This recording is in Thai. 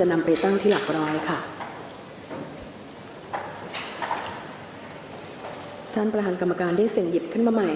จะนำไปตั้งที่หลัก๑๐